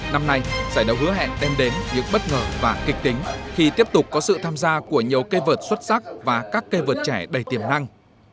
năm nay giải đấu hứa hẹn đem đến những bất ngờ và kịch tính khi tiếp tục có sự tham gia của nhiều cây vượt xuất sắc và các cây vượt trẻ đầy tiềm năng